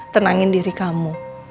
tenangin diri kamu